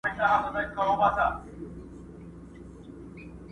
سياسي نقد ته بيايي،